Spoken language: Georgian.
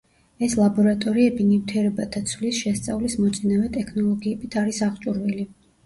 ეს ლაბორატორიები ნივთიერებათა ცვლის შესწავლის მოწინავე ტექნოლოგიებით არის აღჭურვილი.